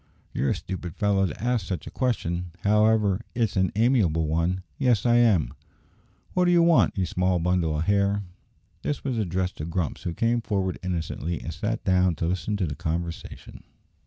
"You're a stupid fellow to ask such a question; however it's an amiable one. Yes, I am." "What do you want, ye small bundle o' hair?" This was addressed to Grumps, who came forward innocently, and sat down to listen to the conversation.